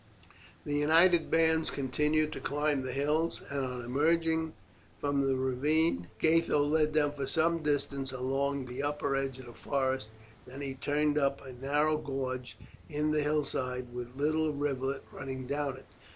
The united bands continued to climb the hills, and on emerging from the ravine Gatho led them for some distance along the upper edge of a forest, and then turned up a narrow gorge in the hillside with a little rivulet running down it.